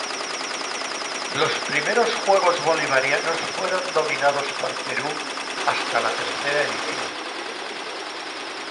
Los primeros Juegos Bolivarianos fueron dominados por Perú hasta la tercera edición.